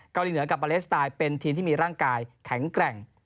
เกาหลีเหนือกับบาเลสไตน์เป็นทีมที่มีร่างกายแข็งแกร่ง